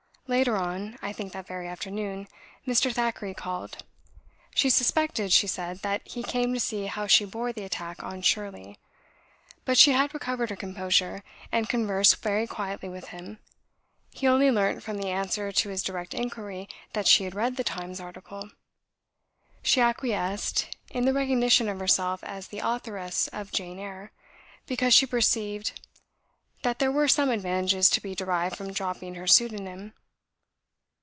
Later on (I think that very afternoon) Mr. Thackeray called; she suspected (she said) that he came to see how she bore the attack on "Shirley;" but she had recovered her composure, and conversed very quietly with him: he only learnt from the answer to his direct inquiry that she had read the Times' article. She acquiesced in the recognition of herself as the authoress of "Jane Eyre," because she perceived that there were some advantages to be derived from dropping her pseudonym.